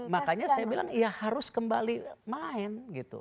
makanya saya bilang ya harus kembali main gitu